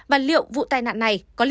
và liệu vụ tai nạn này có lý do